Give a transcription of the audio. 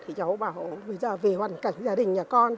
thì cháu bảo bây giờ về hoàn cảnh gia đình nhà con